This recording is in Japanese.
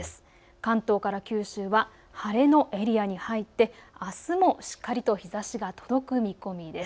関東から九州は晴れのエリアに入ってあすもしっかりと日ざしが届く見込みです。